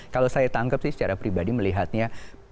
kalau saya tangkap sih secara pribadi melihatnya